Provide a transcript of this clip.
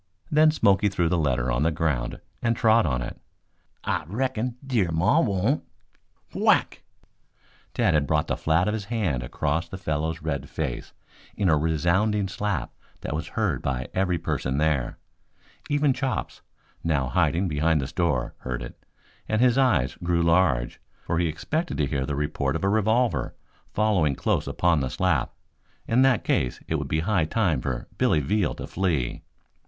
Then Smoky threw the letter on the ground and trod on it. "I reckon Dear Maw won't " Whack! Tad had brought the flat of his hand across the fellow's red face in a resounding slap that was heard by every person there. Even Chops, now hiding behind the store, heard it, and his eyes grew large, for he expected to hear the report of a revolver following close upon the slap. In that case it would be high time for Billy Veal to flee.